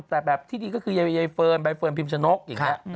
แต่แบบที่ดีก็คือใยเฟิร์นใบเฟิร์นพิมชนกอย่างนี้